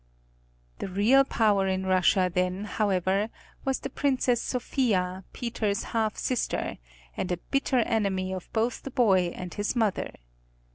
The real power in Russia then, however, was the Princess Sophia, Peter's half sister, a bitter enemy of both the boy and his mother.